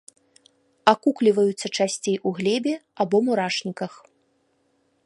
Акукліваюцца часцей у глебе або мурашніках.